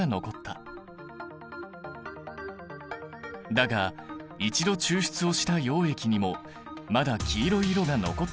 だが一度抽出をした溶液にもまだ黄色い色が残っている。